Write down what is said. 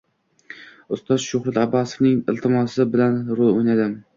Ustoz Shuhrat Abbosovning iltimosi bilan rol o‘ynadim.